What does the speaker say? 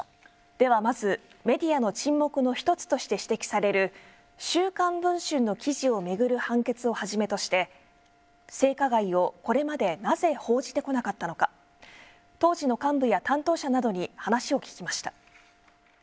ではまずメディアの沈黙の１つとして指摘される「週刊文春」の記事を巡る判決をはじめとして性加害をこれまでなぜ報じてこなかったのか当時の幹部や担当者などに話を聞きました。